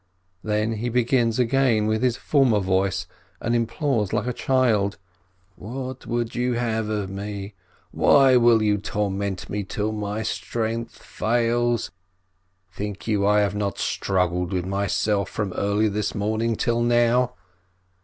Then he begins again with his former voice, and implores like a child: "What would you have of me ? Why will you torment me till my strength fails ? Think you I have not strug gled with myself from early this morning till now?"